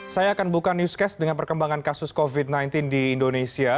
saya akan buka newscast dengan perkembangan kasus covid sembilan belas di indonesia